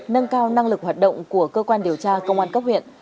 nâng cao năng lực hoạt động của cơ quan điều tra công an cấp huyện